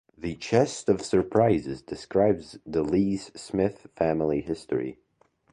'The Chest of Surprises' describes the Lees-Smith family history.